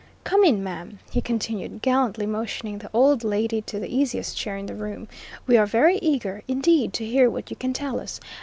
Come in, ma'am," he continued, gallantly motioning the old landlady to the easiest chair in the room. "We are very eager, indeed, to hear what you can tell us.